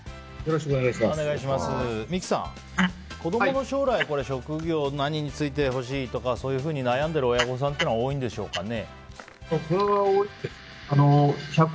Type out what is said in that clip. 三木さん子供の将来職業何に就いてほしいとかそういうふうに悩んでる親御さんって多いんでしょうかね。